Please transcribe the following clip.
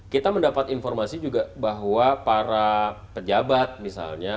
kita mendapat informasi juga bahwa para pejabat misalnya